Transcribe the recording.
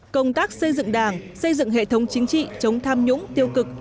công tác xây dựng đảng xây dựng hệ thống chính trị chống tham nhũng tiêu cực